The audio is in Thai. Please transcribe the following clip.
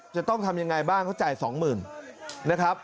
จะต้องทำยังไงบ้างเขาจ่าย๒๐๐๐นะครับ